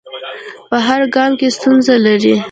په هر ګام کې ستونزې لري.